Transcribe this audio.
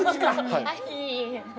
はい。